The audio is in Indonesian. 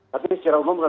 tapi secara umum tidak